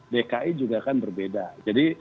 dki juga kan berbeda jadi